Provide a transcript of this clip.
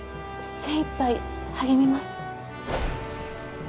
精いっぱい励みます。